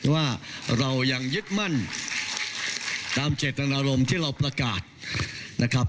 ว่าเรายังยึดมั่นตามเจตนารมณ์ที่เราประกาศนะครับ